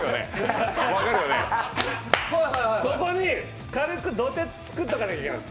ここに軽く土手、作っておかないといけない。